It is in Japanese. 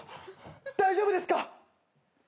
大丈夫ですか？